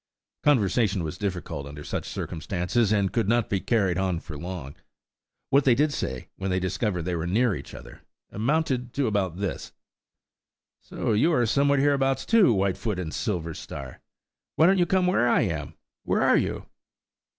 Conversation was difficult under such circumstances, and could not be carried on for long. What they did say, when they discovered they were near each other, amounted to about this:– "So you are somewhere hereabouts, too, Whitefoot and Silverstar. Why don't you come where I am? Where are you?"